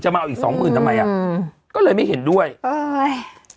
มาเอาอีกสองหมื่นทำไมอ่ะอืมก็เลยไม่เห็นด้วยเอ้ย